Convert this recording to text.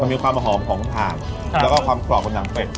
มีความหอมของถ่านแล้วก็ความกรอบของหนังเป็ด